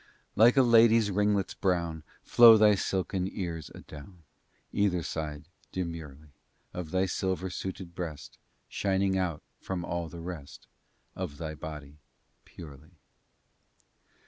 II Like a lady's ringlets brown, Flow thy silken ears adown Either side demurely Of thy silver suited breast, Shining out from all the rest Of thy body purely.